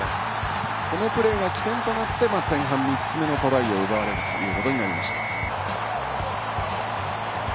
このプレーが起点となって前半３つのトライを奪われることになりました。